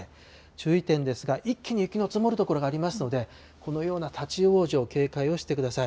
注意点ですが、一気に雪の積もる所がありますので、このような立往生、警戒をしてください。